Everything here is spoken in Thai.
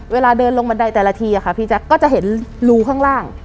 เวลาเดินลงบันไดแต่ละทีค่ะพี่แจ๊คก็จะเห็นรูข้างล่าง